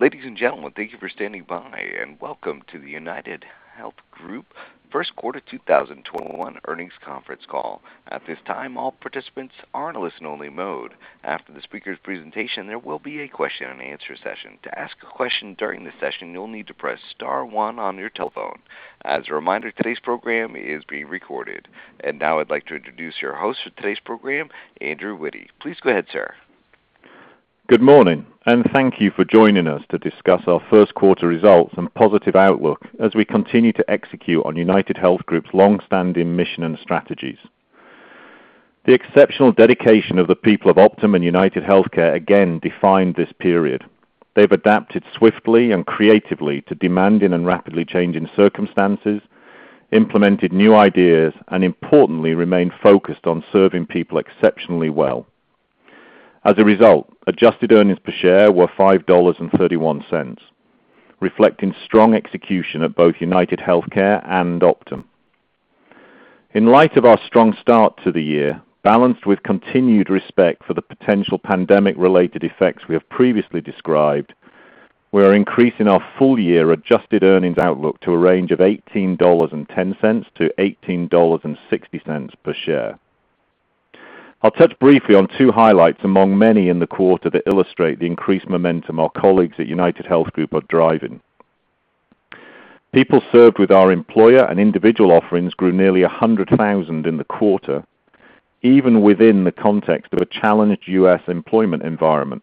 Ladies and gentlemen, thank you for standing by, and welcome to the UnitedHealth Group first quarter 2021 earnings conference call. At this time, all participants are in a listen only mode. After the speaker's presentation, there will be a question and answer session. To ask a question during the session, you'll need to press star one on your telephone. As a reminder, today's program is being recorded. Now I'd like to introduce your host for today's program, Andrew Witty. Please go ahead, sir. Good morning, and thank you for joining us to discuss our first quarter results and positive outlook as we continue to execute on UnitedHealth Group's longstanding mission and strategies. The exceptional dedication of the people of Optum and UnitedHealthcare again defined this period. They've adapted swiftly and creatively to demanding and rapidly changing circumstances, implemented new ideas, and importantly, remained focused on serving people exceptionally well. As a result, adjusted earnings per share were $5.31, reflecting strong execution at both UnitedHealthcare and Optum. In light of our strong start to the year, balanced with continued respect for the potential pandemic related effects we have previously described, we are increasing our full year adjusted earnings outlook to a range of $18.10-$18.60 per share. I'll touch briefly on two highlights among many in the quarter that illustrate the increased momentum our colleagues at UnitedHealth Group are driving. People served with our Employer and Individual offerings grew nearly 100,000 in the quarter, even within the context of a challenged U.S. employment environment.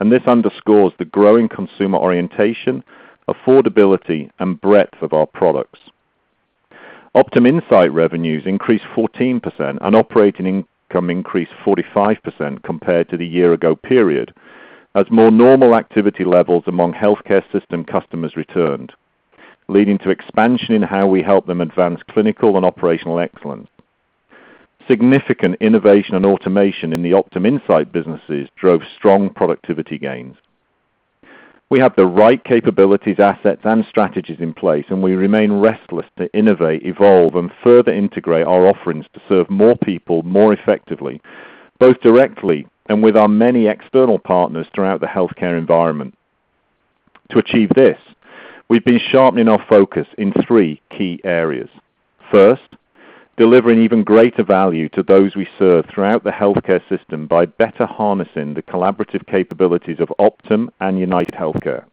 This underscores the growing consumer orientation, affordability, and breadth of our products. OptumInsight revenues increased 14%, and operating income increased 45% compared to the year ago period, as more normal activity levels among healthcare system customers returned, leading to expansion in how we help them advance clinical and operational excellence. Significant innovation and automation in the OptumInsight businesses drove strong productivity gains. We have the right capabilities, assets, and strategies in place, and we remain restless to innovate, evolve, and further integrate our offerings to serve more people more effectively, both directly and with our many external partners throughout the healthcare environment. To achieve this, we've been sharpening our focus in three key areas. First, delivering even greater value to those we serve throughout the healthcare system by better harnessing the collaborative capabilities of Optum and UnitedHealthcare.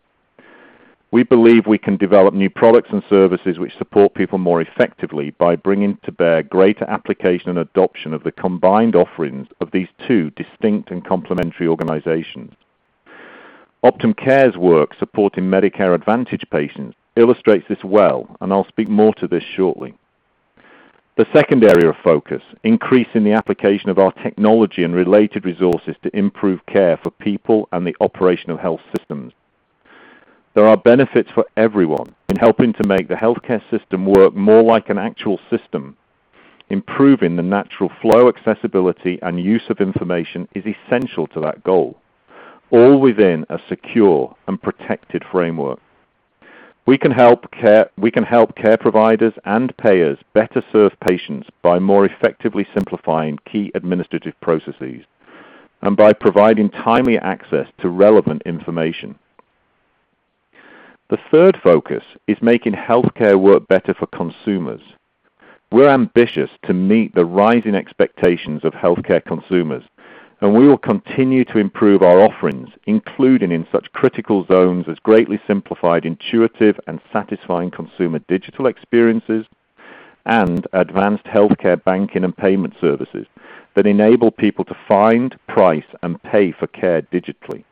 We believe we can develop new products and services which support people more effectively by bringing to bear greater application and adoption of the combined offerings of these two distinct and complementary organizations. OptumCare's work supporting Medicare Advantage patients illustrates this well, and I'll speak more to this shortly. The second area of focus, increasing the application of our technology and related resources to improve care for people and the operational health systems. There are benefits for everyone in helping to make the healthcare system work more like an actual system. Improving the natural flow, accessibility, and use of information is essential to that goal, all within a secure and protected framework. We can help care providers and payers better serve patients by more effectively simplifying key administrative processes and by providing timely access to relevant information. The third focus is making healthcare work better for consumers. We're ambitious to meet the rising expectations of healthcare consumers. We will continue to improve our offerings, including in such critical zones as greatly simplified, intuitive, and satisfying consumer digital experiences and advanced healthcare banking and payment services that enable people to find, price, and pay for care digitally.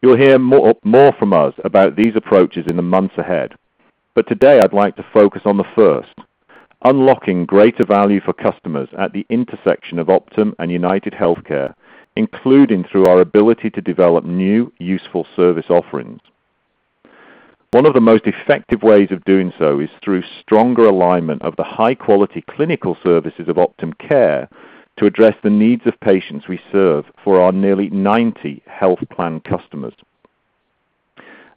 You'll hear more from us about these approaches in the months ahead, but today I'd like to focus on the first, unlocking greater value for customers at the intersection of Optum and UnitedHealthcare, including through our ability to develop new, useful service offerings. One of the most effective ways of doing so is through stronger alignment of the high quality clinical services of OptumCare to address the needs of patients we serve for our nearly 90 health plan customers.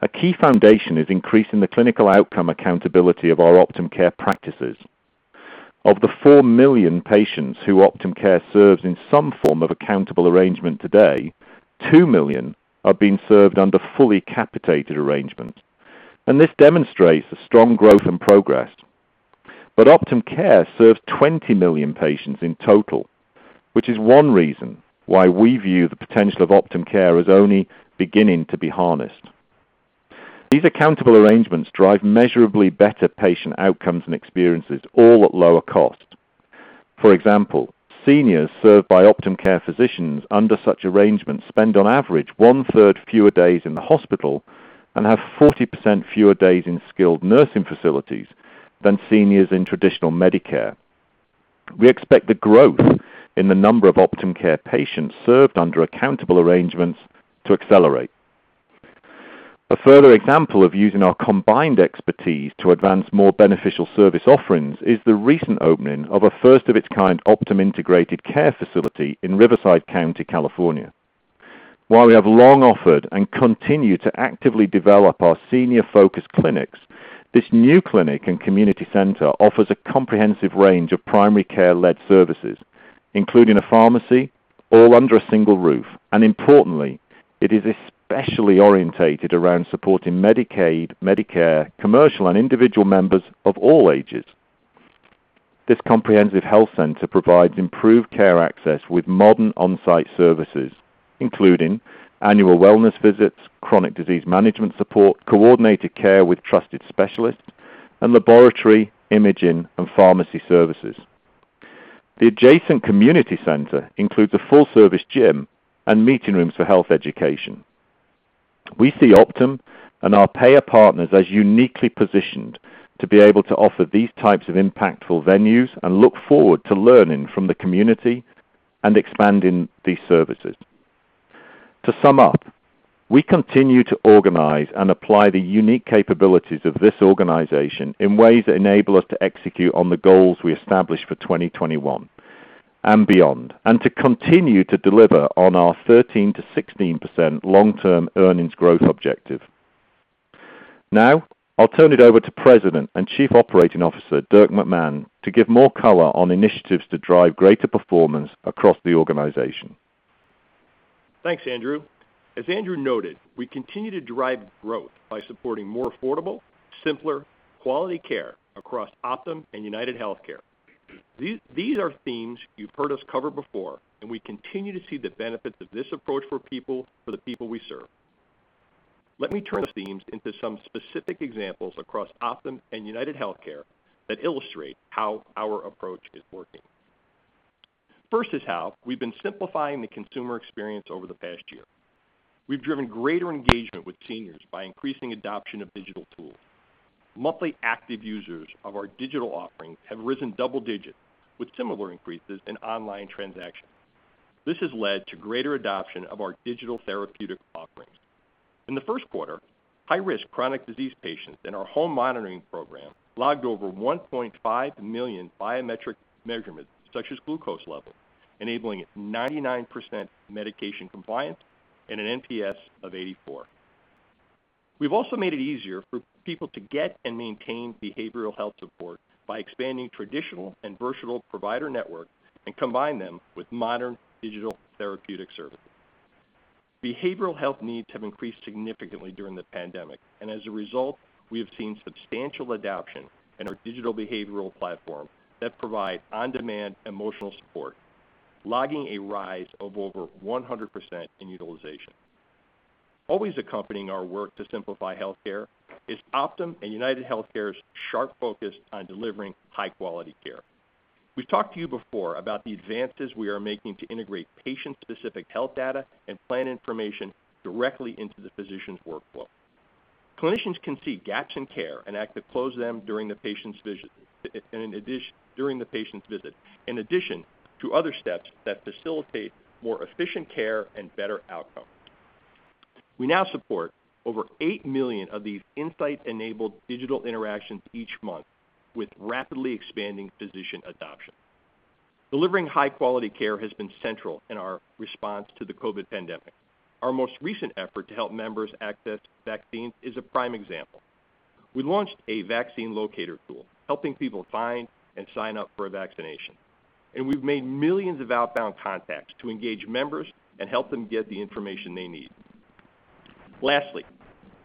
A key foundation is increasing the clinical outcome accountability of our OptumCare practices. Of the 4 million patients who OptumCare serves in some form of accountable arrangement today, 2 million are being served under fully capitated arrangements, and this demonstrates a strong growth and progress. OptumCare serves 20 million patients in total, which is one reason why we view the potential of OptumCare as only beginning to be harnessed. These accountable arrangements drive measurably better patient outcomes and experiences, all at lower cost. For example, seniors served by OptumCare physicians under such arrangements spend on average one third fewer days in the hospital and have 40% fewer days in skilled nursing facilities than seniors in traditional Medicare. We expect the growth in the number of OptumCare patients served under accountable arrangements to accelerate. A further example of using our combined expertise to advance more beneficial service offerings is the recent opening of a first of its kind Optum integrated care facility in Riverside County, California. While we have long offered and continue to actively develop our senior focused clinics. This new clinic and community center offers a comprehensive range of primary care-led services, including a pharmacy, all under a single roof. Importantly, it is especially orientated around supporting Medicaid, Medicare, commercial, and individual members of all ages. This comprehensive health center provides improved care access with modern on-site services, including annual wellness visits, chronic disease management support, coordinated care with trusted specialists, and laboratory, imaging, and pharmacy services. The adjacent community center includes a full-service gym and meeting rooms for health education. We see Optum and our payer partners as uniquely positioned to be able to offer these types of impactful venues and look forward to learning from the community and expanding these services. To sum up, we continue to organize and apply the unique capabilities of this organization in ways that enable us to execute on the goals we established for 2021 and beyond, and to continue to deliver on our 13%-16% long-term earnings growth objective. Now, I'll turn it over to President and Chief Operating Officer, Dirk McMahon, to give more color on initiatives to drive greater performance across the organization. Thanks, Andrew. As Andrew noted, we continue to drive growth by supporting more affordable, simpler, quality care across Optum and UnitedHealthcare. These are themes you've heard us cover before, and we continue to see the benefits of this approach for people, for the people we serve. Let me turn those themes into some specific examples across Optum and UnitedHealthcare that illustrate how our approach is working. First is how we've been simplifying the consumer experience over the past year. We've driven greater engagement with seniors by increasing adoption of digital tools. Monthly active users of our digital offerings have risen double digits, with similar increases in online transactions. This has led to greater adoption of our digital therapeutic offerings. In the first quarter, high-risk chronic disease patients in our home monitoring program logged over 1.5 million biometric measurements, such as glucose levels, enabling 99% medication compliance and an NPS of 84. We've also made it easier for people to get and maintain behavioral health support by expanding traditional and virtual provider networks and combine them with modern digital therapeutic services. Behavioral health needs have increased significantly during the pandemic, and as a result, we have seen substantial adoption in our digital behavioral platform that provide on-demand emotional support, logging a rise of over 100% in utilization. Always accompanying our work to simplify healthcare is Optum and UnitedHealthcare's sharp focus on delivering high-quality care. We've talked to you before about the advances we are making to integrate patient-specific health data and plan information directly into the physician's workflow. Clinicians can see gaps in care and act to close them during the patient's visit, in addition to other steps that facilitate more efficient care and better outcomes. We now support over 8 million of these insight-enabled digital interactions each month, with rapidly expanding physician adoption. Delivering high-quality care has been central in our response to the COVID-19 pandemic. Our most recent effort to help members access vaccines is a prime example. We launched a vaccine locator tool, helping people find and sign up for a vaccination, and we've made millions of outbound contacts to engage members and help them get the information they need. Lastly,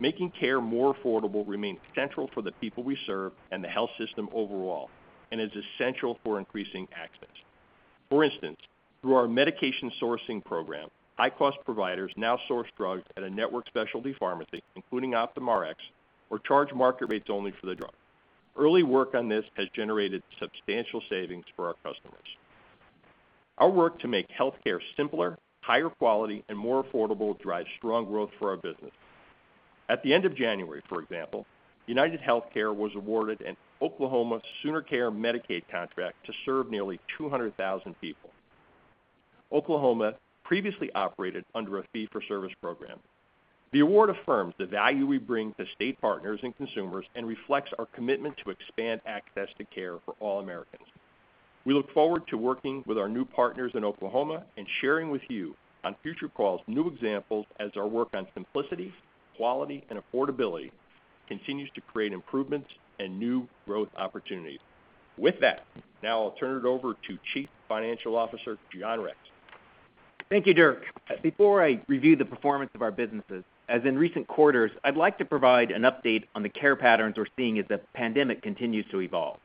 making care more affordable remains central for the people we serve and the health system overall and is essential for increasing access. For instance, through our medication sourcing program, high-cost providers now source drugs at a network specialty pharmacy, including OptumRx, or charge market rates only for the drug. Early work on this has generated substantial savings for our customers. Our work to make healthcare simpler, higher quality, and more affordable drives strong growth for our business. At the end of January, for example, UnitedHealthcare was awarded an Oklahoma SoonerCare Medicaid contract to serve nearly 200,000 people. Oklahoma previously operated under a fee-for-service program. The award affirms the value we bring to state partners and consumers and reflects our commitment to expand access to care for all Americans. We look forward to working with our new partners in Oklahoma and sharing with you on future calls new examples as our work on simplicity, quality, and affordability continues to create improvements and new growth opportunities. With that, now I'll turn it over to Chief Financial Officer, John Rex. Thank you, Dirk. Before I review the performance of our businesses, as in recent quarters, I'd like to provide an update on the care patterns we're seeing as the pandemic continues to evolve.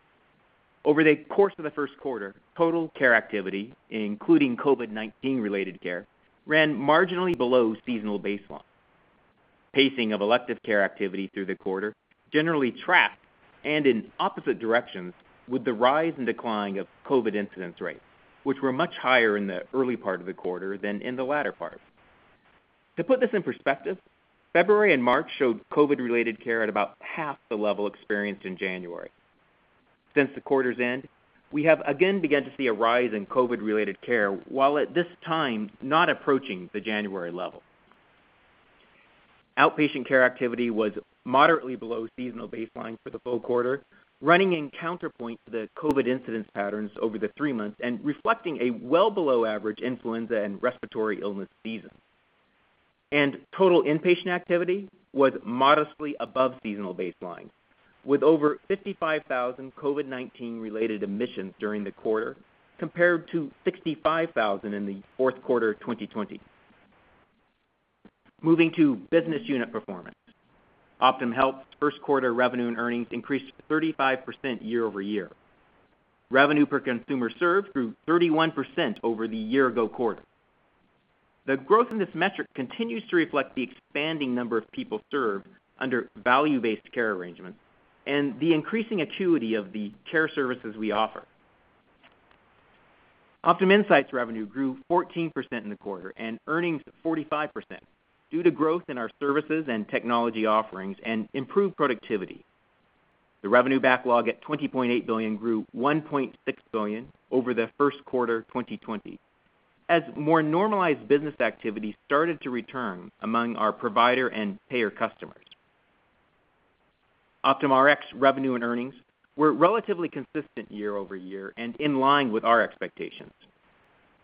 Over the course of the first quarter, total care activity, including COVID-19-related care, ran marginally below seasonal baseline. Pacing of elective care activity through the quarter generally tracked and in opposite directions with the rise and decline of COVID incidence rates, which were much higher in the early part of the quarter than in the latter part. To put this in perspective, February and March showed COVID-related care at about half the level experienced in January. Since the quarter's end, we have again begun to see a rise in COVID-related care, while at this time, not approaching the January level. Outpatient care activity was moderately below seasonal baseline for the full quarter, running in counterpoint to the COVID incidence patterns over the three months and reflecting a well below average influenza and respiratory illness season. Total inpatient activity was modestly above seasonal baseline, with over 55,000 COVID-19 related admissions during the quarter, compared to 65,000 in the fourth quarter of 2020. Moving to business unit performance. Optum Health's first quarter revenue and earnings increased 35% year-over-year. Revenue per consumer served grew 31% over the year ago quarter. The growth in this metric continues to reflect the expanding number of people served under value-based care arrangements, and the increasing acuity of the care services we offer. OptumInsight's revenue grew 14% in the quarter, and earnings 45%, due to growth in our services and technology offerings and improved productivity. The revenue backlog at $20.8 billion grew $1.6 billion over the first quarter 2020, as more normalized business activity started to return among our provider and payer customers. OptumRx revenue and earnings were relatively consistent year-over-year and in line with our expectations.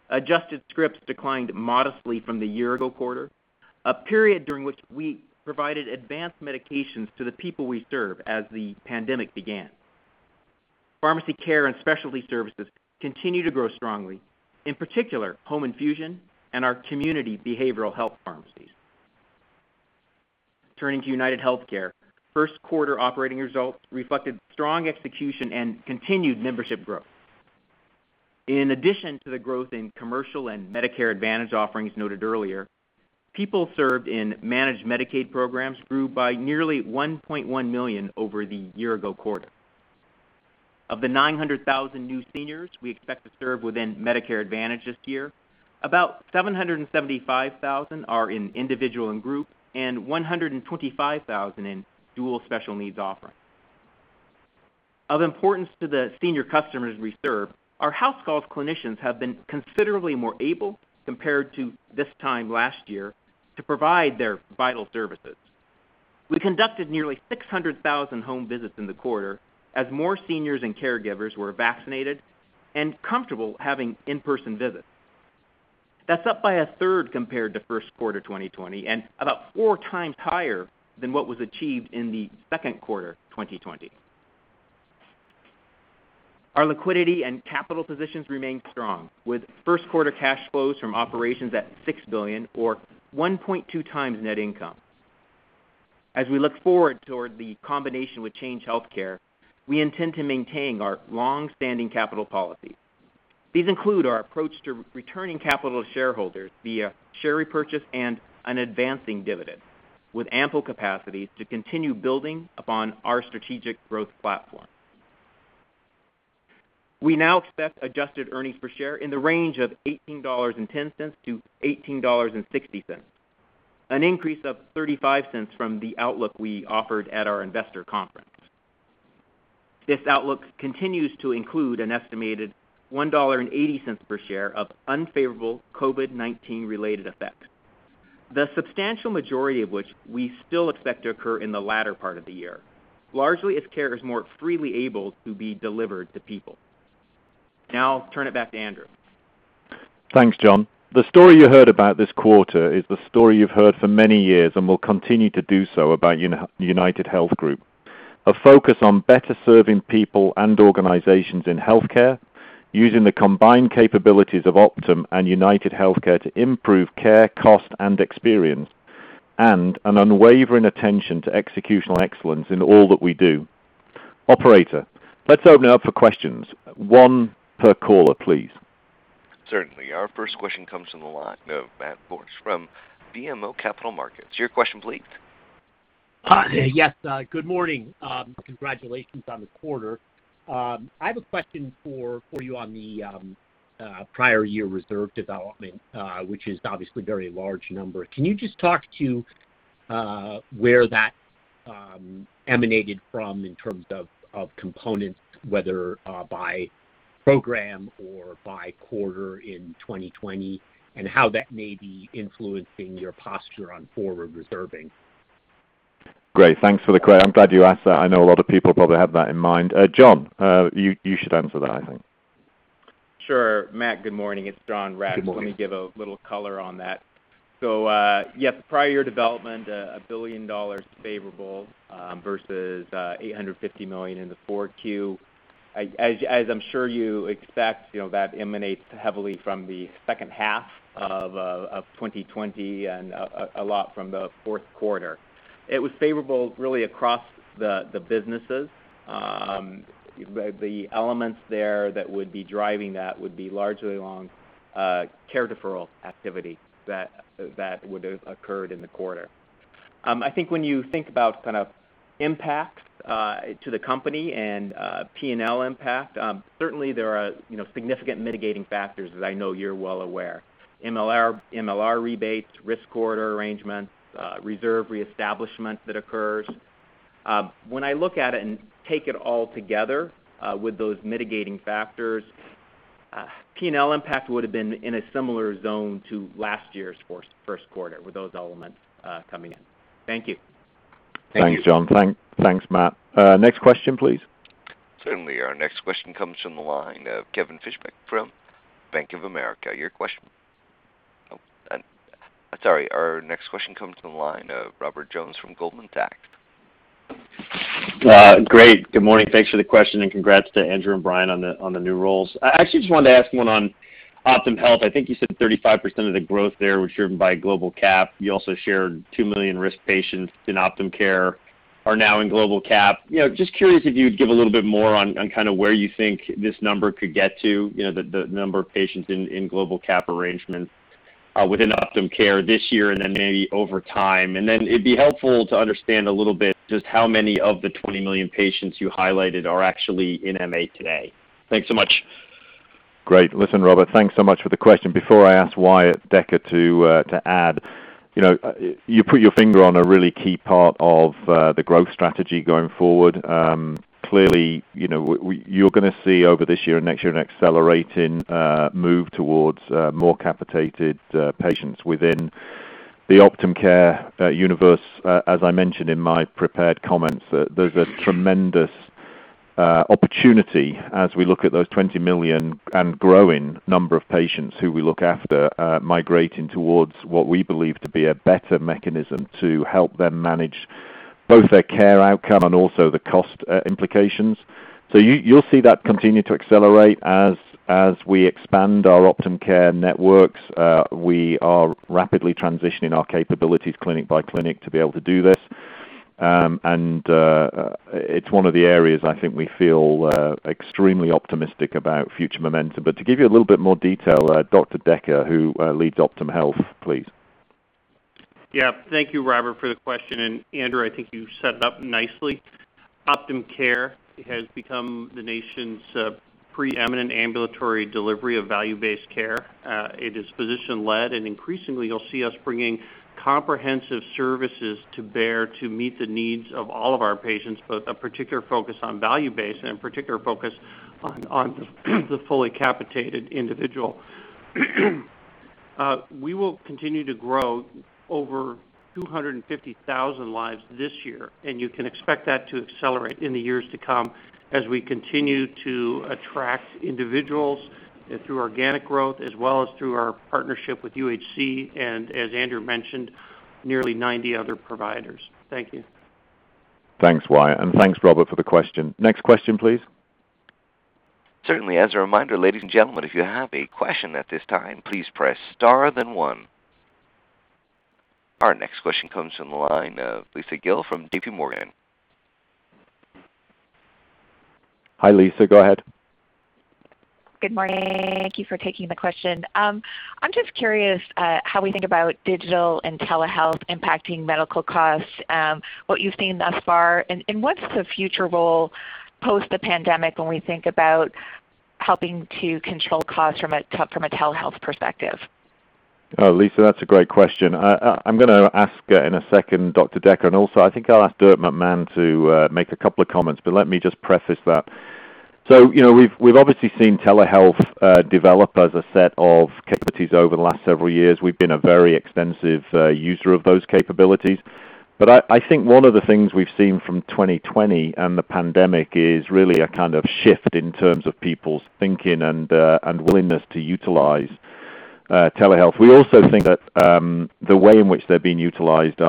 Adjusted scripts declined modestly from the year-ago quarter, a period during which we provided advanced medications to the people we serve as the pandemic began. Pharmacy care and specialty services continue to grow strongly, in particular, home infusion and our community behavioral health pharmacies. Turning to UnitedHealthcare, first quarter operating results reflected strong execution and continued membership growth. In addition to the growth in commercial and Medicare Advantage offerings noted earlier, people served in Managed Medicaid programs grew by nearly 1.1 million over the year-ago quarter. Of the 900,000 new seniors we expect to serve within Medicare Advantage this year, about 775,000 are in individual and group, and 125,000 in Dual Special Needs offerings. Of importance to the senior customers we serve, our house call clinicians have been considerably more able, compared to this time last year, to provide their vital services. We conducted nearly 600,000 home visits in the quarter, as more seniors and caregivers were vaccinated and comfortable having in-person visits. That's up by a third compared to first quarter 2020, and about 4x higher than what was achieved in the second quarter of 2020. Our liquidity and capital positions remain strong, with first quarter cash flows from operations at $6 billion, or 1.2x net income. As we look forward toward the combination with Change Healthcare, we intend to maintain our long-standing capital policy. These include our approach to returning capital to shareholders via share repurchase and an advancing dividend, with ample capacity to continue building upon our strategic growth platform. We now expect adjusted earnings per share in the range of $18.10-$18.60, an increase of $0.35 from the outlook we offered at our investor conference. This outlook continues to include an estimated $1.80 per share of unfavorable COVID-19 related effects. The substantial majority of which we still expect to occur in the latter part of the year, largely if care is more freely able to be delivered to people. Now I'll turn it back to Andrew. Thanks, John. The story you heard about this quarter is the story you've heard for many years and will continue to do so about UnitedHealth Group. A focus on better serving people and organizations in healthcare, using the combined capabilities of Optum and UnitedHealthcare to improve care, cost, and experience, and an unwavering attention to executional excellence in all that we do. Operator, let's open it up for questions. One per caller, please. Certainly. Our first question comes from the line of Matt Borsch from BMO Capital Markets. Your question please. Hi. Yes, good morning. Congratulations on the quarter. I have a question for you on the prior year reserve development, which is obviously a very large number. Can you just talk to where that emanated from in terms of components, whether by program or by quarter in 2020, and how that may be influencing your posture on forward reserving? Great, thanks for the question. I'm glad you asked that. I know a lot of people probably have that in mind. John, you should answer that, I think. Sure. Matt, good morning. It's John Rex. Good morning. Let me give a little color on that. Yes, the prior year development, $1 billion favorable, versus $850 million in the 4Q. As I'm sure you expect, that emanates heavily from the second half of 2020 and a lot from the fourth quarter. It was favorable really across the businesses. The elements there that would be driving that would be largely along care deferral activity that would've occurred in the quarter. I think when you think about impact to the company and P&L impact, certainly there are significant mitigating factors as I know you're well aware. MLR rebates, risk corridor arrangements, reserve reestablishment that occurs. When I look at it and take it all together with those mitigating factors, P&L impact would've been in a similar zone to last year's first quarter with those elements coming in. Thank you. Thanks, John. Thanks, Matt. Next question, please. Certainly. Our next question comes from the line of Kevin Fischbeck from Bank of America. Your question. Oh, sorry. Our next question comes from the line of Robert Jones from Goldman Sachs. Great. Good morning. Thanks for the question, and congrats to Andrew and Brian on the new roles. I actually just wanted to ask one on Optum Health. I think you said 35% of the growth there was driven by global capitation. You also shared 2 million risk patients in OptumCare are now in global capitation. Just curious if you'd give a little bit more on where you think this number could get to, the number of patients in global capitation arrangements, within OptumCare this year and then maybe over time. It'd be helpful to understand a little bit just how many of the 20 million patients you highlighted are actually in MA today. Thanks so much. Great. Listen, Robert, thanks so much for the question. Before I ask Wyatt Decker to add. You put your finger on a really key part of the growth strategy going forward. Clearly, you're going to see over this year and next year an accelerating move towards more capitated patients within the OptumCare universe. As I mentioned in my prepared comments, there's a tremendous opportunity as we look at those 20 million and growing number of patients who we look after migrating towards what we believe to be a better mechanism to help them manage both their care outcome and also the cost implications. You'll see that continue to accelerate as we expand our OptumCare networks. We are rapidly transitioning our capabilities clinic by clinic to be able to do this. It's one of the areas I think we feel extremely optimistic about future momentum. To give you a little bit more detail, Dr. Decker, who leads Optum Health, please. Yeah. Thank you, Robert, for the question. Andrew, I think you set it up nicely. OptumCare has become the nation's preeminent ambulatory delivery of value-based care. It is physician-led, and increasingly you'll see us bringing comprehensive services to bear to meet the needs of all of our patients, but a particular focus on value-based and a particular focus on the fully capitated individual. We will continue to grow over 250,000 lives this year, and you can expect that to accelerate in the years to come as we continue to attract individuals through organic growth as well as through our partnership with UnitedHealthcare and, as Andrew mentioned, nearly 90 other providers. Thank you. Thanks, Wyatt, and thanks, Robert, for the question. Next question, please. Certainly. As a reminder, ladies and gentlemen, if you have a question at this time, please press star then one. Our next question comes from the line of Lisa Gill from JPMorgan. Hi, Lisa. Go ahead. Good morning. Thank you for taking the question. I'm just curious how we think about digital and telehealth impacting medical costs, what you've seen thus far, and what's the future role post the pandemic when we think about helping to control costs from a telehealth perspective? Lisa, that's a great question. I'm going to ask in a second Dr. Decker, and also I think I'll ask Dirk McMahon to make a couple of comments. Let me just preface that. We've obviously seen telehealth develop as a set of capabilities over the last several years. We've been a very extensive user of those capabilities. I think one of the things we've seen from 2020 and the pandemic is really a kind of shift in terms of people's thinking and willingness to utilize telehealth. We also think that the way in which they're being utilized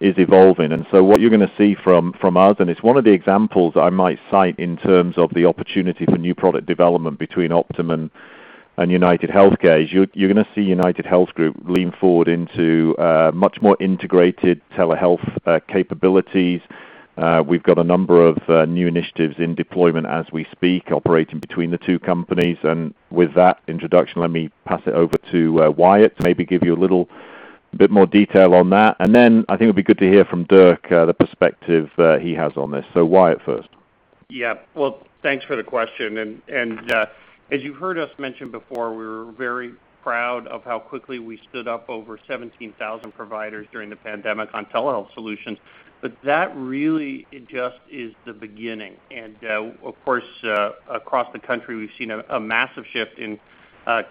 is evolving. What you're going to see from us, and it's one of the examples I might cite in terms of the opportunity for new product development between Optum and UnitedHealthcare, is you're going to see UnitedHealth Group lean forward into much more integrated telehealth capabilities. We've got a number of new initiatives in deployment as we speak, operating between the two companies. With that introduction, let me pass it over to Wyatt to maybe give you a little bit more detail on that. Then I think it'd be good to hear from Dirk, the perspective he has on this. Wyatt first. Yeah. Well, thanks for the question. As you heard us mention before, we're very proud of how quickly we stood up over 17,000 providers during the pandemic on telehealth solutions. That really just is the beginning. Of course, across the country, we've seen a massive shift in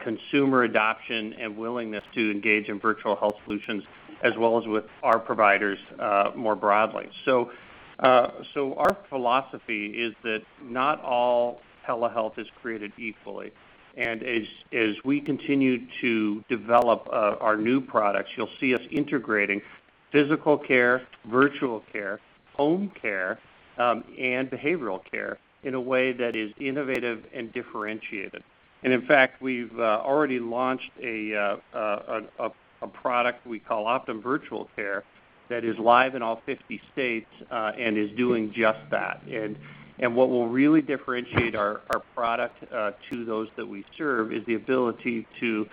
consumer adoption and willingness to engage in virtual health solutions, as well as with our providers, more broadly. Our philosophy is that not all telehealth is created equally. As we continue to develop our new products, you'll see us integrating physical care, virtual care, home care, and behavioral care in a way that is innovative and differentiated. In fact, we've already launched a product we call Optum Virtual Care that is live in all 50 states, and is doing just that. What will really differentiate our product to those that we serve is the ability to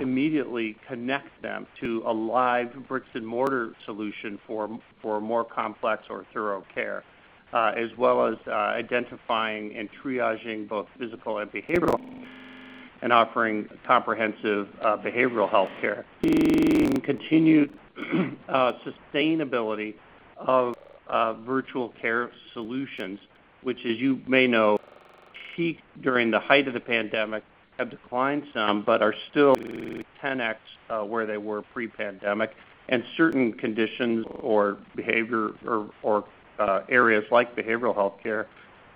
immediately connect them to a live bricks and mortar solution for more complex or thorough care, as well as identifying and triaging both physical and behavioral and offering comprehensive behavioral healthcare. The continued sustainability of virtual care solutions, which as you may know, peaked during the height of the pandemic, have declined some, but are still 10x where they were pre-pandemic. Certain conditions or behavior or areas like behavioral healthcare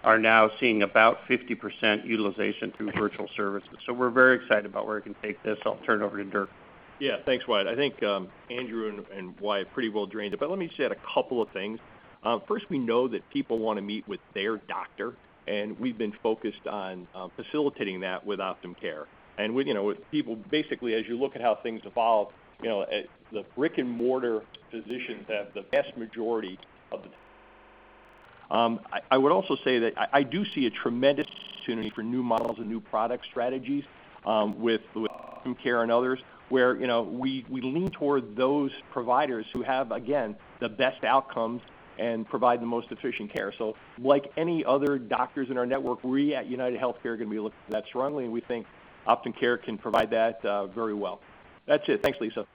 are now seeing about 50% utilization through virtual services. We're very excited about where we can take this. I'll turn it over to Dirk. Yeah, thanks, Wyatt. I think Andrew and Wyatt pretty well drained it. Let me just add a couple of things. First, we know that people want to meet with their doctor. We've been focused on facilitating that with OptumCare. With people, basically, as you look at how things evolve, the brick-and-mortar physicians have the vast majority of the I would also say that I do see a tremendous opportunity for new models and new product strategies, with OptumCare and others, where we lean toward those providers who have, again, the best outcomes and provide the most efficient care. Like any other doctors in our network, we at UnitedHealthcare are going to be looking at that strongly. We think OptumCare can provide that very well. That's it. Thanks, Lisa.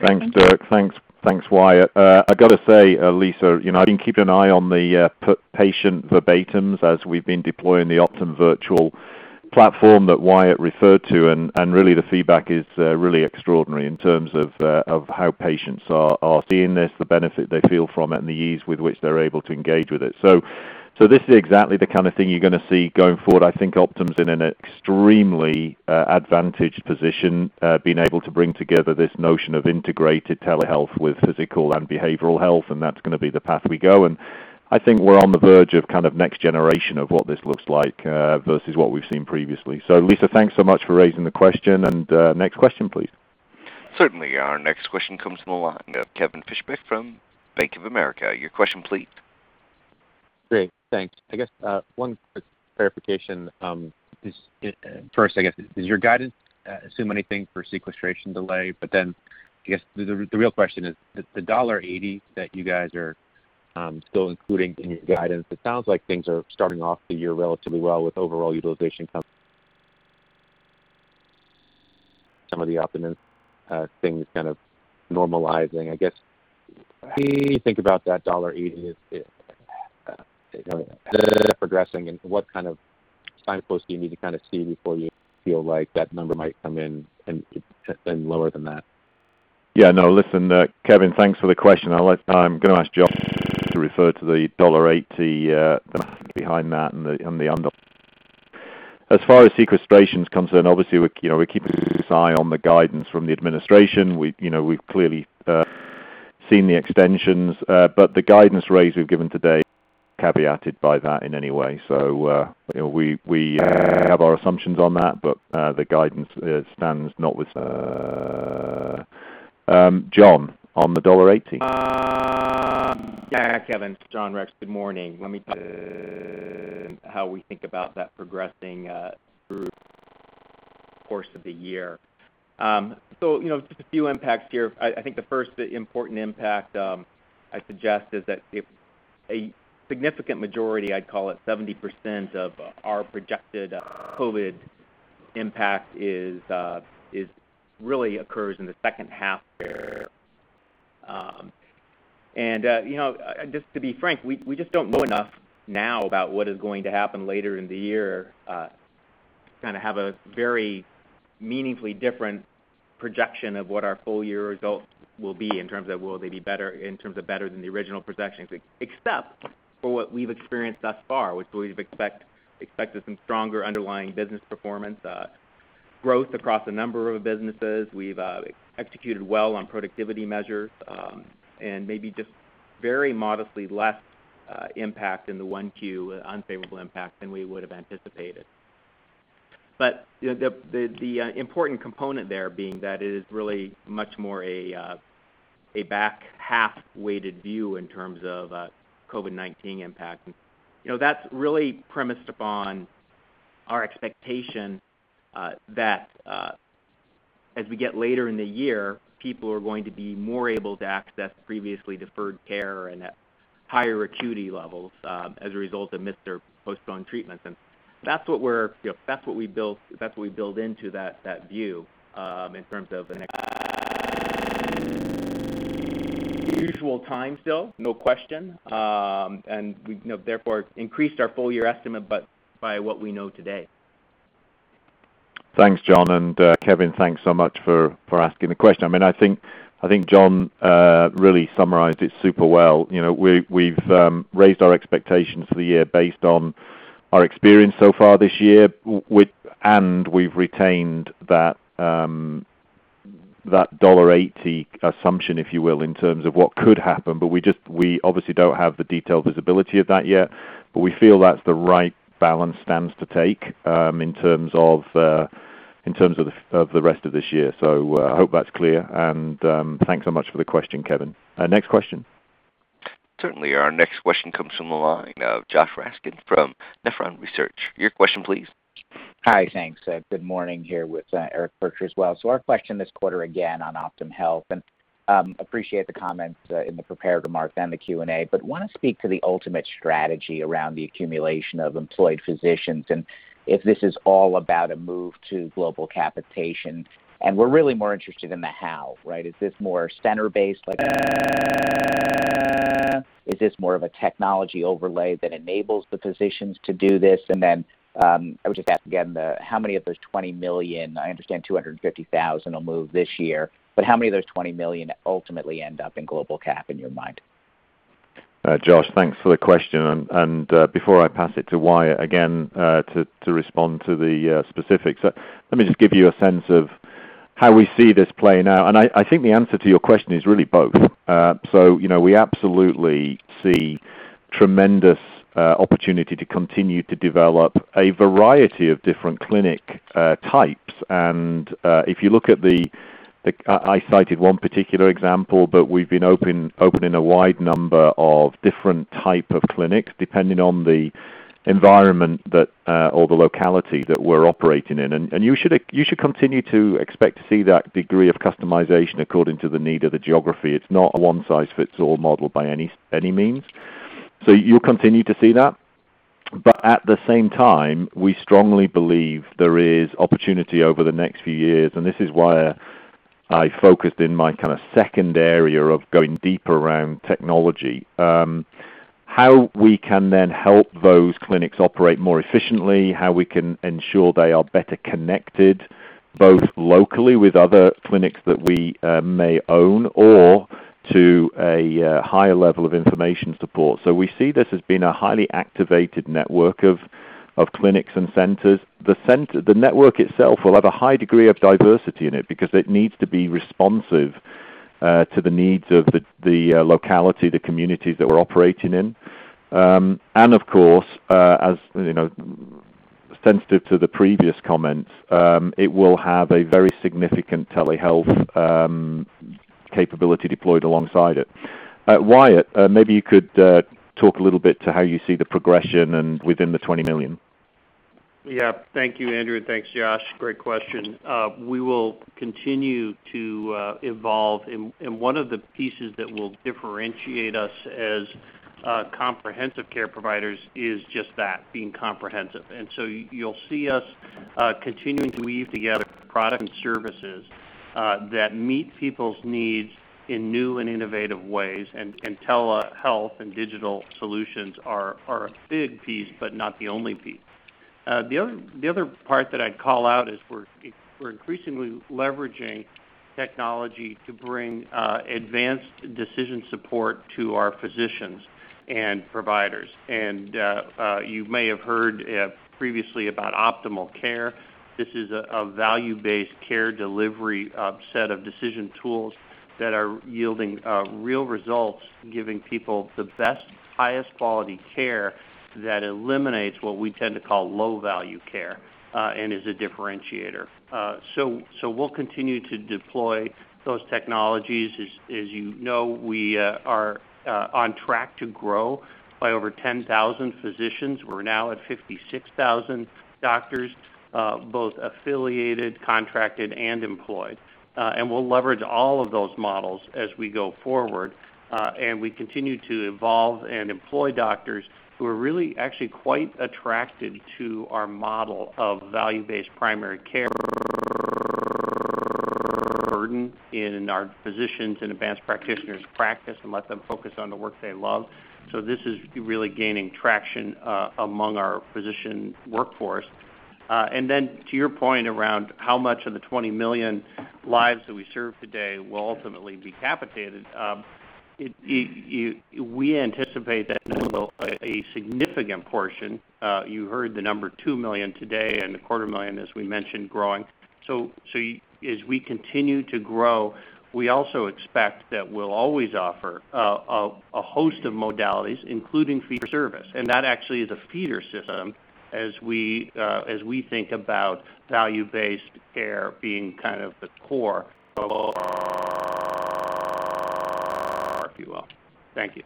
Thanks, Dirk. Thanks, Wyatt. I've got to say, Lisa, I've been keeping an eye on the patient verbatims as we've been deploying the Optum Virtual Care that Wyatt referred to, and really the feedback is really extraordinary in terms of how patients are seeing this, the benefit they feel from it, and the ease with which they're able to engage with it. This is exactly the kind of thing you're going to see going forward. I think Optum's in an extremely advantaged position, being able to bring together this notion of integrated telehealth with physical and behavioral health, that's going to be the path we go. I think we're on the verge of next generation of what this looks like, versus what we've seen previously. Lisa, thanks so much for raising the question. Next question, please. Certainly. Our next question comes from the line of Kevin Fischbeck from Bank of America. Your question, please. Great. Thanks. I guess one clarification, first, I guess, does your guidance assume anything for sequestration delay? I guess the real question is, the $1.80 that you guys are still including in your guidance, it sounds like things are starting off the year relatively well with overall utilization coming some of the Optum things normalizing. I guess, how do you think about that $1.80 as progressing and what kind of signpost do you need to see before you feel like that number might come in and lower than that? No. Listen, Kevin, thanks for the question. I'm going to ask John to refer to the $1.80, the math behind that, and the underlying. As far as sequestration is concerned, obviously, we're keeping a close eye on the guidance from the administration. We've clearly seen the extensions. The guidance range we've given today isn't caveated by that in any way. We have our assumptions on that, but the guidance stands notwithstanding. John, on the $1.80. Yeah, Kevin. John Rex, good morning. Let me talk how we think about that progressing through the course of the year. Just a few impacts here. I think the first important impact, I'd suggest, is that a significant majority, I'd call it 70%, of our projected COVID-19 impact really occurs in the second half. Just to be frank, we just don't know enough now about what is going to happen later in the year to have a very meaningfully different projection of what our full-year results will be, in terms of will they be better than the original projections. Except for what we've experienced thus far, which we've expected some stronger underlying business performance, growth across a number of businesses. We've executed well on productivity measures, maybe just very modestly less impact in the 1Q, unfavorable impact than we would've anticipated. The important component there being that it is really much more a back half-weighted view in terms of COVID-19 impact. That's really premised upon our expectation that as we get later in the year, people are going to be more able to access previously deferred care and at higher acuity levels, as a result of missed or postponed treatments. That's what we build into that view, in terms of the next unusual time still, no question. We therefore increased our full-year estimate by what we know today. Thanks, John. Kevin, thanks so much for asking the question. I think John really summarized it super well. We've raised our expectations for the year based on our experience so far this year, and we've retained that $1.80 assumption, if you will, in terms of what could happen. We obviously don't have the detailed visibility of that yet, but we feel that's the right balance stance to take in terms of the rest of this year. I hope that's clear, and thanks so much for the question, Kevin. Next question. Certainly. Our next question comes from the line of Josh Raskin from Nephron Research. Your question, please. Hi. Thanks. Good morning here with Eric Percher as well. Our question this quarter, again, on Optum Health, and appreciate the comments in the prepared remarks and the Q&A. Want to speak to the ultimate strategy around the accumulation of employed physicians and if this is all about a move to global capitation, and we're really more interested in the how, right? Is this more center-based, like, is this more of a technology overlay that enables the physicians to do this? I would just ask again, how many of those 20 million, I understand 250,000 will move this year, but how many of those 20 million ultimately end up in global cap, in your mind? Josh, thanks for the question. Before I pass it to Wyatt again, to respond to the specifics, let me just give you a sense of how we see this playing out. I think the answer to your question is really both. We absolutely see tremendous opportunity to continue to develop a variety of different clinic types. If you look at, I cited one particular example, but we've been opening a wide number of different type of clinics depending on the environment or the locality that we're operating in. You should continue to expect to see that degree of customization according to the need of the geography. It's not a one-size-fits-all model by any means. You'll continue to see that. At the same time, we strongly believe there is opportunity over the next few years, and this is why I focused in my second area of going deeper around technology. How we can then help those clinics operate more efficiently, how we can ensure they are better connected, both locally with other clinics that we may own, or to a higher level of information support. We see this as being a highly activated network of clinics and centers. The network itself will have a high degree of diversity in it, because it needs to be responsive to the needs of the locality, the communities that we're operating in. Of course, as sensitive to the previous comments, it will have a very significant telehealth capability deployed alongside it. Wyatt, maybe you could talk a little bit to how you see the progression and within the 20 million? Thank you, Andrew. Thanks, Josh. Great question. We will continue to evolve, and one of the pieces that will differentiate us as comprehensive care providers is just that, being comprehensive. You'll see us continuing to weave together products and services that meet people's needs in new and innovative ways, and telehealth and digital solutions are a big piece, but not the only piece. The other part that I'd call out is we're increasingly leveraging technology to bring advanced decision support to our physicians and providers. You may have heard previously about Optimal Care. This is a value-based care delivery set of decision tools that are yielding real results, giving people the best, highest quality care that eliminates what we tend to call low-value care, and is a differentiator. We'll continue to deploy those technologies. As you know, we are on track to grow by over 10,000 physicians. We're now at 56,000 doctors, both affiliated, contracted, and employed. We'll leverage all of those models as we go forward. We continue to evolve and employ doctors who are really actually quite attracted to our model of value-based primary care burden in our physicians and advanced practitioners' practice, and let them focus on the work they love. This is really gaining traction among our physician workforce. To your point around how much of the 20 million lives that we serve today will ultimately be capitated. You heard the number 2 million today and a quarter million, as we mentioned, growing. As we continue to grow, we also expect that we'll always offer a host of modalities, including fee for service. That actually is a feeder system as we think about value-based care being kind of the core if you will. Thank you.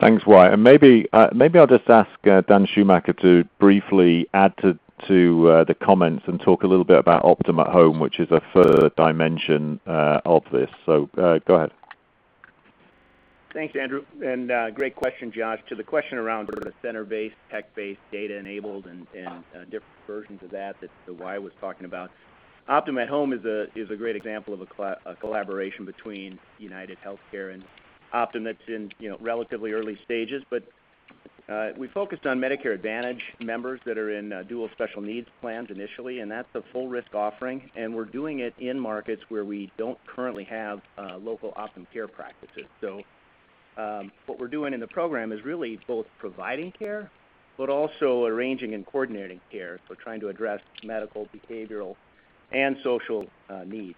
Thanks, Wyatt. Maybe I'll just ask Dan Schumacher to briefly add to the comments and talk a little bit about Optum at Home, which is a further dimension of this. Go ahead. Thanks, Andrew. Great question, Josh. To the question around sort of center-based, tech-based, data-enabled and different versions of that Wyatt was talking about. Optum at Home is a great example of a collaboration between UnitedHealthcare and Optum that's in relatively early stages. We focused on Medicare Advantage members that are in Dual Special Needs Plans initially, and that's a full risk offering, and we're doing it in markets where we don't currently have local OptumCare practices. What we're doing in the program is really both providing care, but also arranging and coordinating care. Trying to address medical, behavioral, and social needs.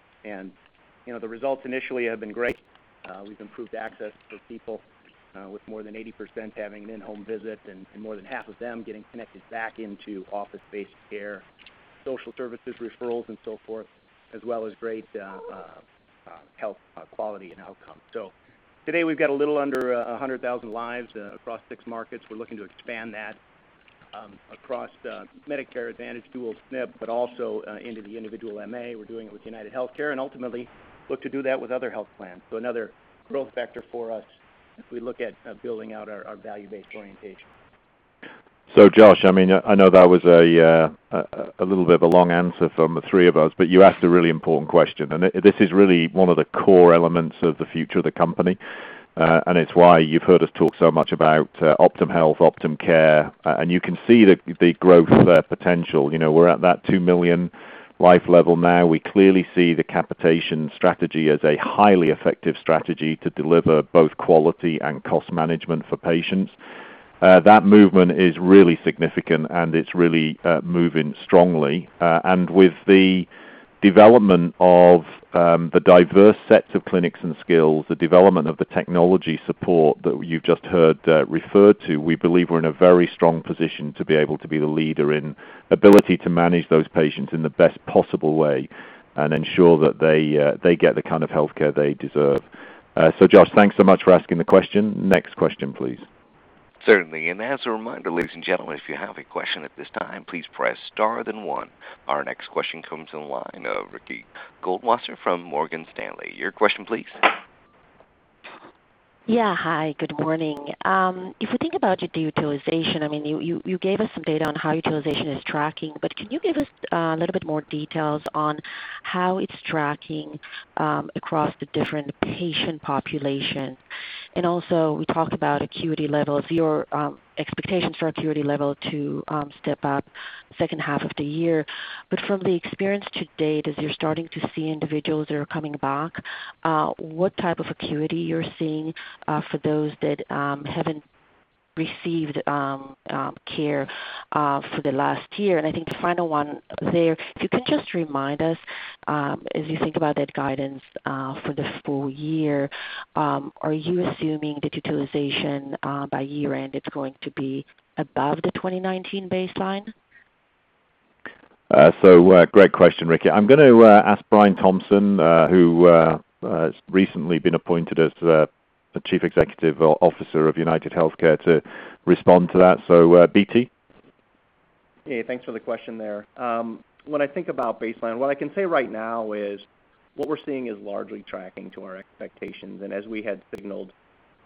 The results initially have been great. We've improved access for people, with more than 80% having an in-home visit, and more than half of them getting connected back into office-based care, social services referrals, and so forth, as well as great health quality and outcome. Today, we've got a little under 100,000 lives across six markets. We're looking to expand that across Medicare Advantage, Dual SNP, but also into the individual MA. We're doing it with UnitedHealthcare and ultimately look to do that with other health plans. Another growth vector for us. If we look at building out our value-based orientation. Josh, I know that was a little bit of a long answer from the three of us, but you asked a really important question, and this is really one of the core elements of the future of the company. It's why you've heard us talk so much about Optum Health, OptumCare, and you can see the growth potential. We're at that 2 million life level now. We clearly see the capitation strategy as a highly effective strategy to deliver both quality and cost management for patients. That movement is really significant, and it's really moving strongly. With the development of the diverse sets of clinics and skills, the development of the technology support that you've just heard referred to, we believe we're in a very strong position to be able to be the leader in ability to manage those patients in the best possible way and ensure that they get the kind of healthcare they deserve. Josh, thanks so much for asking the question. Next question, please. Certainly. As a reminder, ladies and gentlemen, if you have a question at this time, please press star then one. Our next question comes in line, Ricky Goldwasser from Morgan Stanley. Your question, please. Yeah. Hi, good morning. If we think about the utilization, you gave us some data on how utilization is tracking, but can you give us a little bit more details on how it's tracking across the different patient populations? Also, we talked about acuity levels, your expectations for acuity level to step up second half of the year. From the experience to date, as you're starting to see individuals that are coming back, what type of acuity you're seeing for those that haven't received care for the last year, and I think the final one there, if you can just remind us, as you think about that guidance for the full year, are you assuming the utilization by year-end it's going to be above the 2019 baseline? Great question, Ricky. I'm going to ask Brian Thompson, who has recently been appointed as the Chief Executive Officer of UnitedHealthcare, to respond to that. BT. Hey, thanks for the question there. When I think about baseline, what I can say right now is what we're seeing is largely tracking to our expectations. As we had signaled,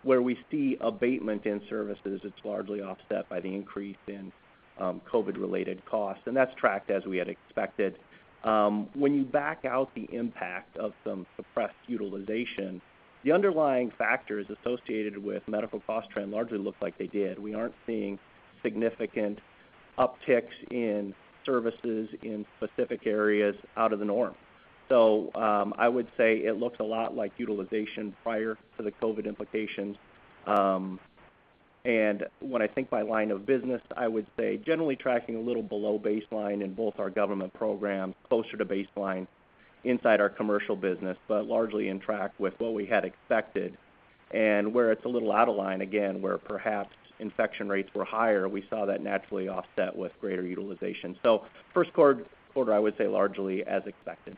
where we see abatement in services, it's largely offset by the increase in COVID-19 related costs, and that's tracked as we had expected. When you back out the impact of some suppressed utilization, the underlying factors associated with medical cost trend largely look like they did. We aren't seeing significant upticks in services in specific areas out of the norm. I would say it looks a lot like utilization prior to the COVID-19 implications. When I think by line of business, I would say generally tracking a little below baseline in both our government programs, closer to baseline inside our commercial business, but largely in track with what we had expected and where it's a little out of line, again, where perhaps infection rates were higher, we saw that naturally offset with greater utilization. First quarter, I would say largely as expected.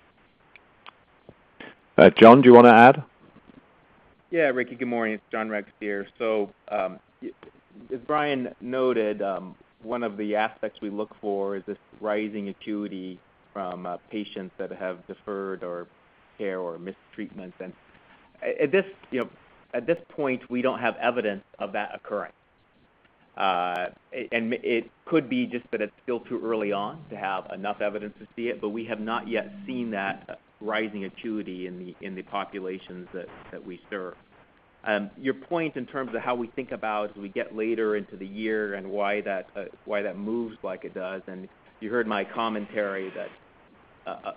John, do you want to add? Yeah. Ricky, good morning. It's John Rex here. As Brian noted, one of the aspects we look for is this rising acuity from patients that have deferred, or care, or missed treatments. At this point, we don't have evidence of that occurring. It could be just that it's still too early on to have enough evidence to see it, but we have not yet seen that rising acuity in the populations that we serve. Your point in terms of how we think about, as we get later into the year and why that moves like it does, and you heard my commentary that a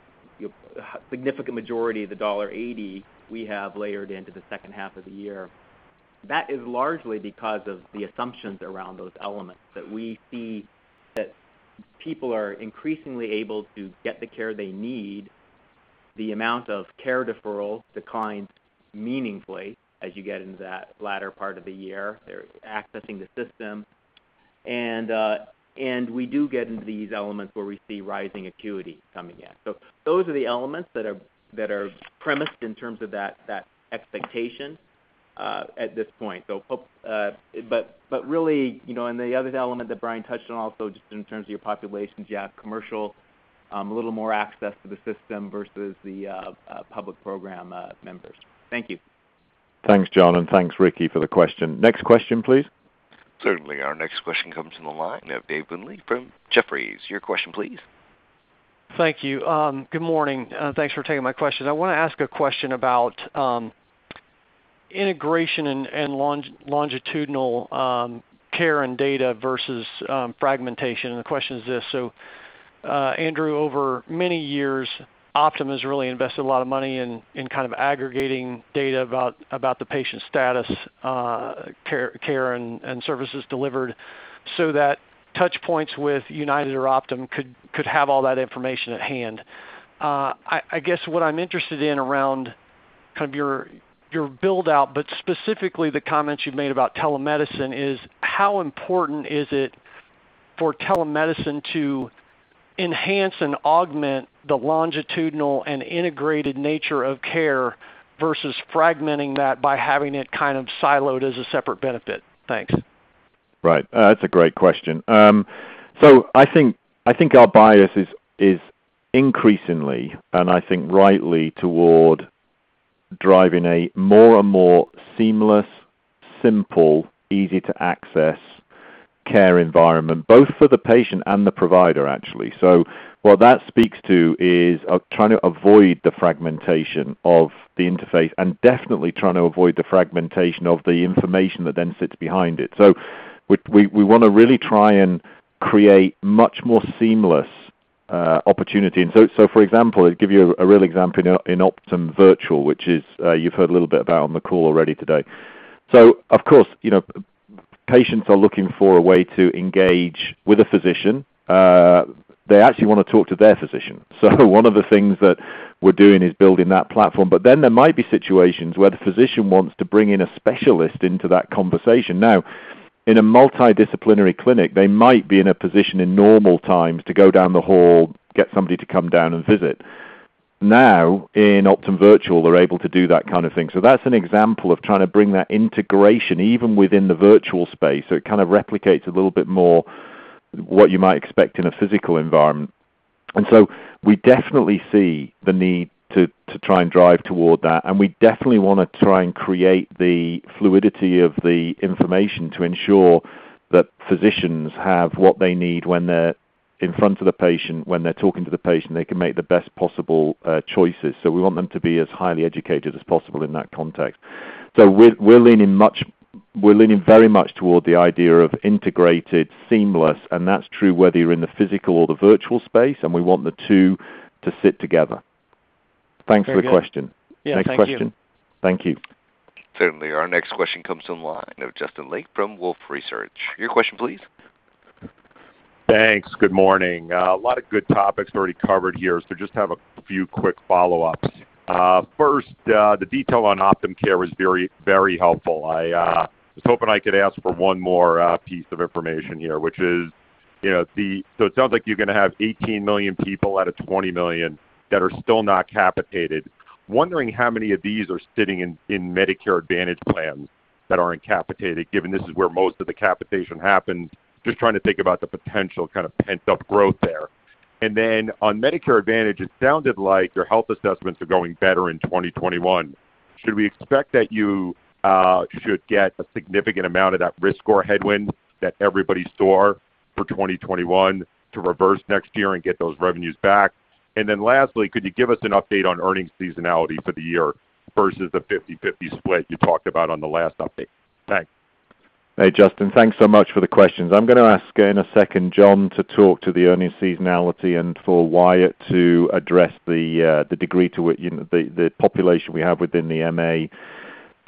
significant majority of the $1.80 we have layered into the second half of the year. That is largely because of the assumptions around those elements, that we see that people are increasingly able to get the care they need. The amount of care deferral declines meaningfully as you get into that latter part of the year. They're accessing the system. We do get into these elements where we see rising acuity coming in. Those are the elements that are premised in terms of that expectation at this point. Really, the other element that Brian touched on also just in terms of your populations, you have commercial, a little more access to the system versus the public program members. Thank you. Thanks, John, and thanks, Ricky, for the question. Next question, please. Certainly. Our next question comes from the line of Dave Windley from Jefferies. Your question, please. Thank you. Good morning. Thanks for taking my question. I want to ask a question about integration and longitudinal care and data versus fragmentation. The question is this: Andrew, over many years, Optum has really invested a lot of money in kind of aggregating data about the patient status, care, and services delivered so that touchpoints with United or Optum could have all that information at hand. I guess what I'm interested in around your build-out, but specifically the comments you've made about telemedicine, is how important is it for telemedicine to enhance and augment the longitudinal and integrated nature of care versus fragmenting that by having it kind of siloed as a separate benefit? Thanks. Right. That's a great question. I think our bias is increasingly, and I think rightly, toward driving a more and more seamless, simple, easy-to-access care environment, both for the patient and the provider, actually. What that speaks to is trying to avoid the fragmentation of the interface and definitely trying to avoid the fragmentation of the information that then sits behind it. We want to really try and create much more seamless opportunity. For example, I'll give you a real example in Optum Virtual, which you've heard a little bit about on the call already today. Of course, patients are looking for a way to engage with a physician. They actually want to talk to their physician. One of the things that we're doing is building that platform. There might be situations where the physician wants to bring in a specialist into that conversation. In a multidisciplinary clinic, they might be in a position in normal times to go down the hall, get somebody to come down and visit. In Optum Virtual, they're able to do that kind of thing. That's an example of trying to bring that integration even within the virtual space, so it kind of replicates a little bit more what you might expect in a physical environment. We definitely see the need to try and drive toward that, and we definitely want to try and create the fluidity of the information to ensure that physicians have what they need when they're in front of the patient, when they're talking to the patient, they can make the best possible choices. We want them to be as highly educated as possible in that context. We're leaning very much toward the idea of integrated, seamless, and that's true whether you're in the physical or the virtual space, and we want the two to sit together. Thanks for the question. Very good. Yeah, thank you. Next question. Thank you. Certainly. Our next question comes from the line of Justin Lake from Wolfe Research. Your question, please. Thanks. Good morning. A lot of good topics already covered here, just have a few quick follow-ups. First, the detail on OptumCare was very helpful. I was hoping I could ask for one more piece of information here, which is, it sounds like you're going to have 18 million people out of 20 million that are still not capitated. Wondering how many of these are sitting in Medicare Advantage plans that aren't capitated, given this is where most of the capitation happens. Just trying to think about the potential pent-up growth there. On Medicare Advantage, it sounded like your health assessments are going better in 2021. Should we expect that you should get a significant amount of that risk score headwind that everybody saw for 2021 to reverse next year and get those revenues back? Lastly, could you give us an update on earnings seasonality for the year versus the 50/50 split you talked about on the last update? Thanks. Hey, Justin. Thanks so much for the questions. I'm going to ask, in a second, John to talk to the earnings seasonality and for Wyatt to address the degree to which the population we have within the MA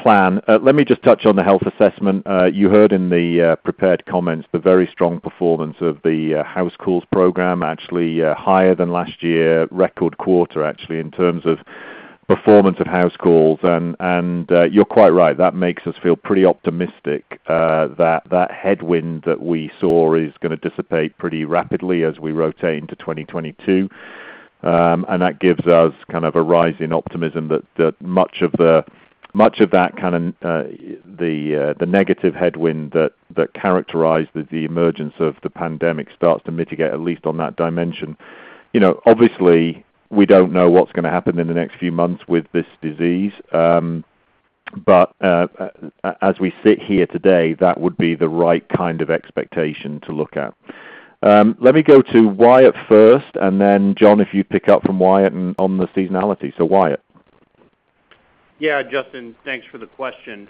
plan. Let me just touch on the health assessment. You heard in the prepared comments the very strong performance of the HouseCalls program, actually higher than last year, record quarter, actually, in terms of performance and HouseCalls. You're quite right. That makes us feel pretty optimistic that that headwind that we saw is going to dissipate pretty rapidly as we rotate into 2022. That gives us kind of a rise in optimism that much of the negative headwind that characterized the emergence of the pandemic starts to mitigate, at least on that dimension. Obviously, we don't know what's going to happen in the next few months with this disease. As we sit here today, that would be the right kind of expectation to look at. Let me go to Wyatt first, and then John, if you'd pick up from Wyatt on the seasonality. Wyatt. Yeah, Justin, thanks for the question.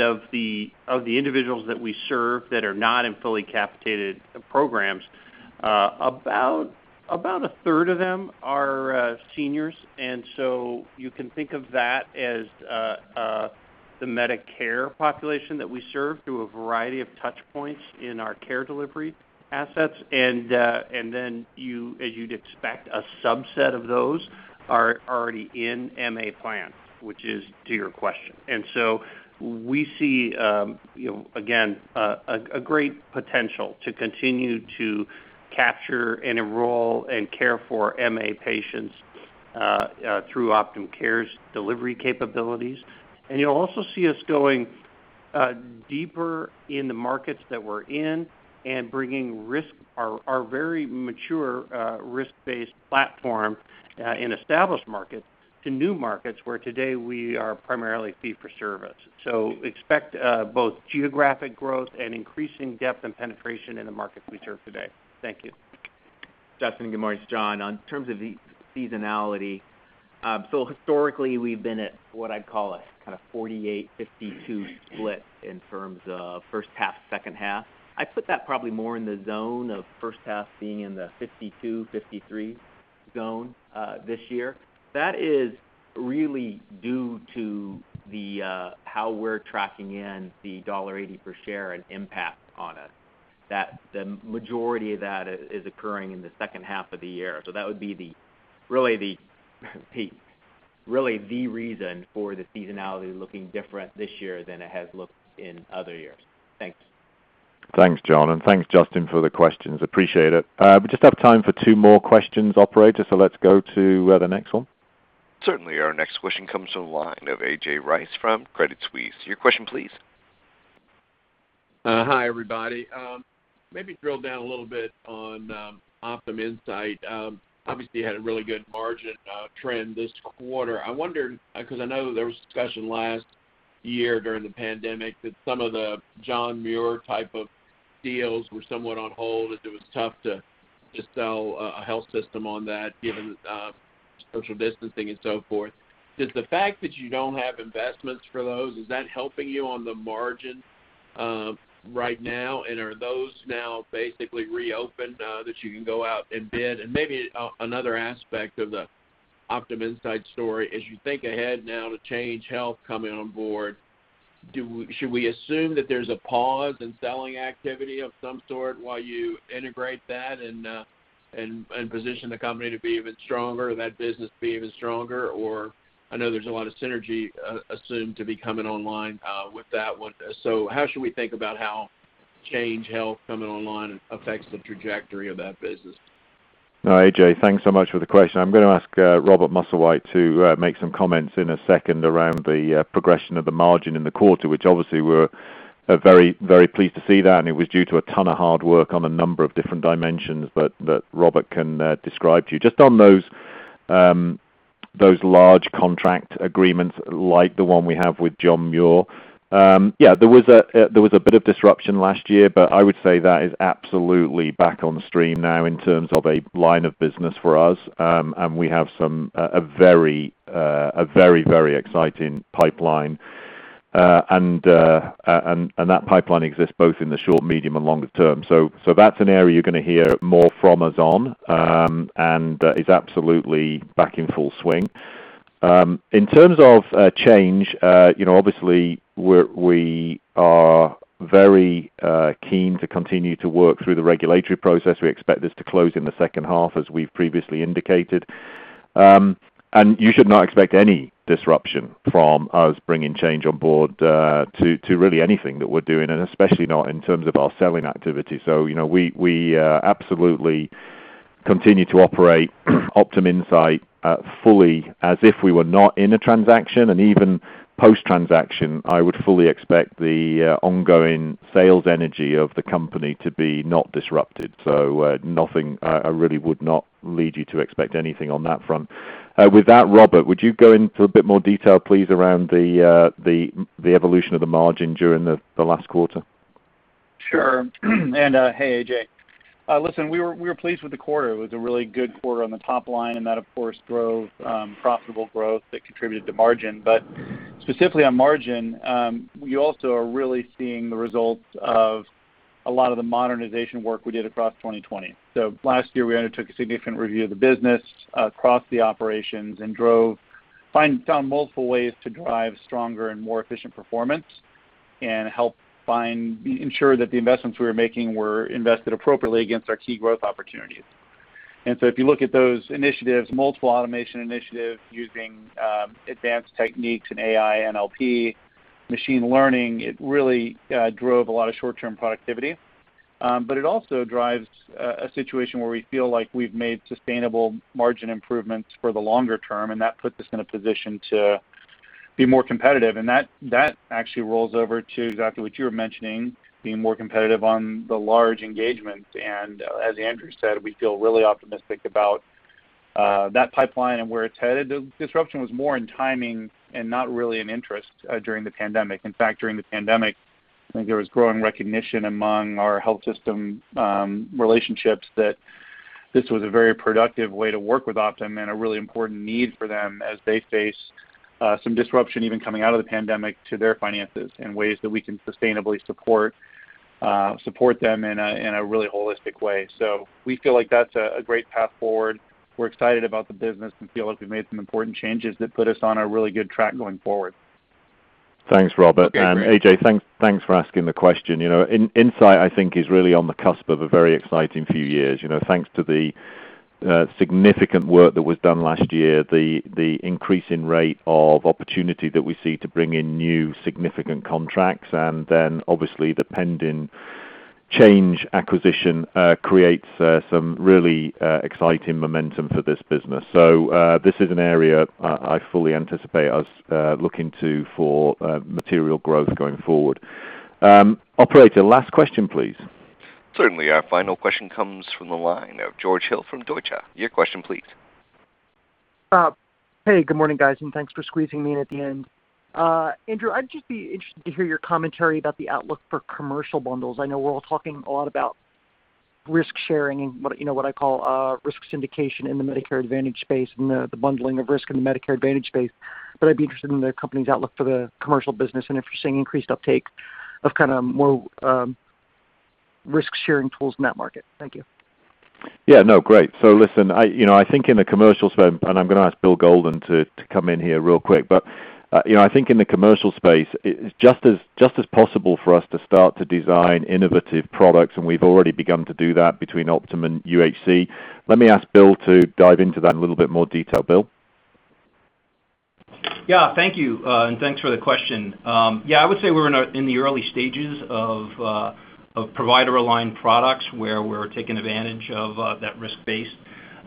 Of the individuals that we serve that are not in fully capitated programs, about a third of them are seniors. You can think of that as the Medicare population that we serve through a variety of touchpoints in our care delivery assets. Then as you'd expect, a subset of those are already in MA plans, which is to your question. We see, again, a great potential to continue to capture and enroll and care for MA patients through OptumCare's delivery capabilities. You'll also see us going deeper in the markets that we're in and bringing our very mature risk-based platform in established markets to new markets, where today we are primarily fee for service. Expect both geographic growth and increasing depth and penetration in the markets we serve today. Thank you. Justin, good morning. It's John. In terms of the seasonality, historically, we've been at what I'd call a kind of 48/52 split in terms of first half, second half. I'd put that probably more in the zone of first half being in the 52, 53 zone this year. That is really due to how we're tracking in the $1.80 per share and impact on us, that the majority of that is occurring in the second half of the year. That would be really the reason for the seasonality looking different this year than it has looked in other years. Thanks. Thanks, John, and thanks, Justin, for the questions. Appreciate it. We just have time for two more questions, Operator. Let's go to the next one. Certainly. Our next question comes from the line of A.J. Rice from Credit Suisse. Your question, please. Hi, everybody. Maybe drill down a little bit on OptumInsight. Obviously, you had a really good margin trend this quarter. I wondered, because I know there was discussion last year during the pandemic that some of the John Muir type of deals were somewhat on hold, as it was tough to sell a health system on that given social distancing and so forth. Does the fact that you don't have investments for those, is that helping you on the margin right now? Are those now basically reopened, that you can go out and bid? Maybe another aspect of the OptumInsight story, as you think ahead now to Change Healthcare coming on board, should we assume that there's a pause in selling activity of some sort while you integrate that and position the company to be even stronger, that business be even stronger? I know there's a lot of synergy assumed to be coming online with that one. How should we think about how Change Health coming online affects the trajectory of that business? No, A.J., thanks so much for the question. I'm going to ask Robert Musslewhite to make some comments in a second around the progression of the margin in the quarter, which obviously we're very pleased to see that. It was due to a ton of hard work on a number of different dimensions that Robert can describe to you. Just on those large contract agreements like the one we have with John Muir, yeah, there was a bit of disruption last year. I would say that is absolutely back on the stream now in terms of a line of business for us. We have a very exciting pipeline. That pipeline exists both in the short, medium, and longer-term. That's an area you're going to hear more from us on, and is absolutely back in full swing. In terms of Change, obviously we are very keen to continue to work through the regulatory process. We expect this to close in the second half, as we've previously indicated. You should not expect any disruption from us bringing Change on board to really anything that we're doing, and especially not in terms of our selling activity. We absolutely continue to operate OptumInsight fully as if we were not in a transaction, and even post-transaction, I would fully expect the ongoing sales energy of the company to be not disrupted. Nothing, I really would not lead you to expect anything on that front. With that, Robert, would you go into a bit more detail, please, around the evolution of the margin during the last quarter? Sure. Hey, A.J. Listen, we were pleased with the quarter. It was a really good quarter on the top line, and that, of course, drove profitable growth that contributed to margin. Specifically on margin, we also are really seeing the results of a lot of the modernization work we did across 2020. Last year, we undertook a significant review of the business across the operations and found multiple ways to drive stronger and more efficient performance and help ensure that the investments we were making were invested appropriately against our key growth opportunities. If you look at those initiatives, multiple automation initiatives using advanced techniques in AI, NLP, machine learning, it really drove a lot of short-term productivity. It also drives a situation where we feel like we've made sustainable margin improvements for the longer-term, and that puts us in a position to be more competitive, and that actually rolls over to exactly what you were mentioning, being more competitive on the large engagements. As Andrew said, we feel really optimistic about that pipeline and where it's headed. The disruption was more in timing and not really in interest during the pandemic. In fact, during the pandemic, I think there was growing recognition among our health system relationships that this was a very productive way to work with Optum and a really important need for them as they face some disruption, even coming out of the pandemic, to their finances and ways that we can sustainably support them in a really holistic way. We feel like that's a great path forward. We're excited about the business and feel like we've made some important changes that put us on a really good track going forward. Thanks, Robert. Okay, great. A.J., thanks for asking the question. Insight, I think, is really on the cusp of a very exciting few years. Thanks to the significant work that was done last year, the increasing rate of opportunity that we see to bring in new significant contracts, and then obviously the pending Change acquisition creates some really exciting momentum for this business. This is an area I fully anticipate us looking to for material growth going forward. Operator, last question, please. Certainly. Our final question comes from the line of George Hill from Deutsche. Your question please. Hey, good morning, guys, and thanks for squeezing me in at the end. Andrew, I'd just be interested to hear your commentary about the outlook for commercial bundles. I know we're all talking a lot about risk-sharing and what I call risk syndication in the Medicare Advantage space and the bundling of risk in the Medicare Advantage space. I'd be interested in the company's outlook for the commercial business and if you're seeing increased uptake of more risk-sharing tools in that market. Thank you. Yeah, no, great. Listen, I think in the commercial space, and I'm going to ask Bill Golden to come in here real quick. I think in the commercial space, it's just as possible for us to start to design innovative products, and we've already begun to do that between Optum and UnitedHealthcare. Let me ask Bill to dive into that in a little bit more detail. Bill? Yeah. Thank you. Thanks for the question. Yeah, I would say we're in the early stages of provider-aligned products where we're taking advantage of that risk base.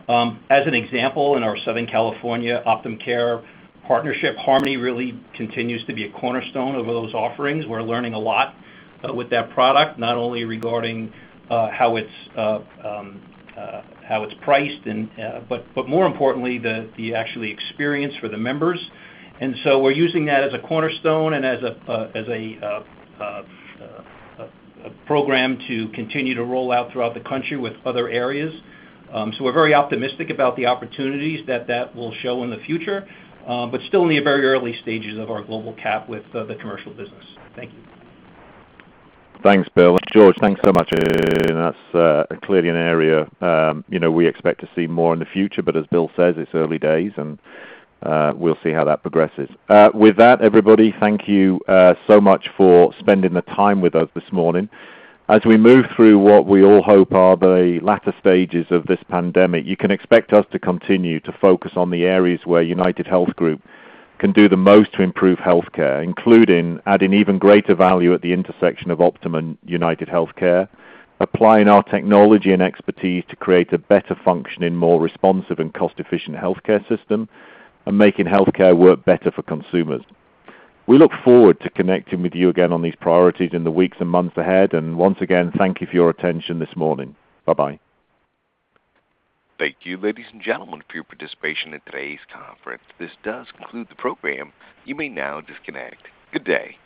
As an example, in our Southern California OptumCare partnership, Harmony really continues to be a cornerstone of those offerings. We're learning a lot with that product, not only regarding how it's priced, but more importantly, the actual experience for the members. We're using that as a cornerstone and as a program to continue to roll out throughout the country with other areas. We're very optimistic about the opportunities that that will show in the future. Still in the very early stages of our global cap with the commercial business. Thank you. Thanks, Bill. George, thanks so much. That's clearly an area we expect to see more in the future, but as Bill says, it's early days, and we'll see how that progresses. With that, everybody, thank you so much for spending the time with us this morning. As we move through what we all hope are the latter stages of this pandemic, you can expect us to continue to focus on the areas where UnitedHealth Group can do the most to improve healthcare, including adding even greater value at the intersection of Optum and UnitedHealthcare, applying our technology and expertise to create a better functioning, more responsive, and cost-efficient healthcare system, and making healthcare work better for consumers. We look forward to connecting with you again on these priorities in the weeks and months ahead. Once again, thank you for your attention this morning. Bye-bye. Thank you, ladies and gentlemen, for your participation in today's conference. This does conclude the program. You may now disconnect. Good day.